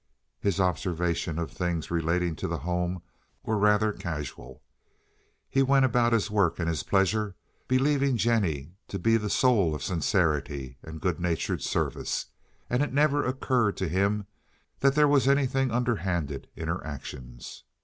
His observation of things relating to the home were rather casual. He went about his work and his pleasures believing Jennie to be the soul of sincerity and good natured service, and it never occurred to him that there was anything underhanded in her actions.